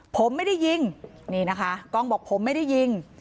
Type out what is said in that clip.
ผมไม่ได้ยิงนี่นะคะกล้องบอกผมไม่ได้ยิง